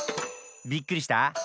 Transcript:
びっくりした？